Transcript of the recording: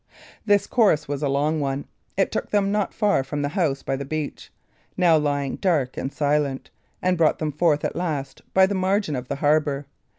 This course was a long one. It took them not far from the house by the beach, now lying dark and silent, and brought them forth at last by the margin of the harbour.